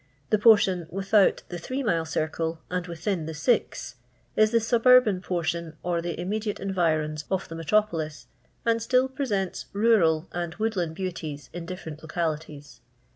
The portion without the thrM mile circle, and within the six, is the tuburban portion or the immediate environs of the metropo lis, and still presents rural and woodland beauties in different localities.